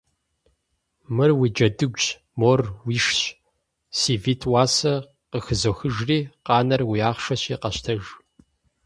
Мыр уи джэдыгущ, мор уишщ, си витӀ уасэр къыхызохыжри, къанэр уи ахъшэщи къэщтэж.